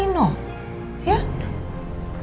kamu nggak usah maksa nino